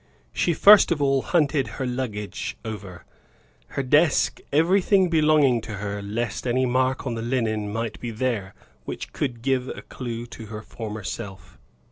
She first of all hunted her luggage over, her desk, everything belonging to her lest any mark on the linen might be there, which could give a clue to her former self.